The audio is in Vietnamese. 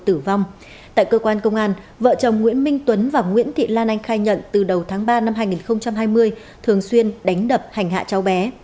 trước đó vợ chồng nguyễn minh tuấn và nguyễn thị lan anh khai nhận từ đầu tháng ba năm hai nghìn hai mươi thường xuyên đánh đập hành hạ cháu bé